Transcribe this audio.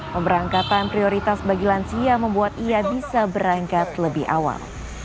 pemberangkatan prioritas bagi lansia membuat ia bisa berangkat lebih awal